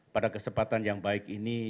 pada kesempatan yang baik ini